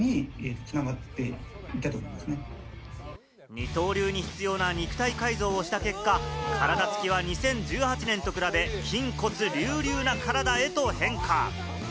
二刀流に必要な肉体改造をした結果、体つきは２０１８年と比べ、筋骨隆々な体へと変化。